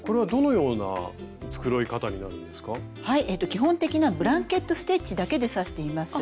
基本的なブランケット・ステッチだけで刺しています。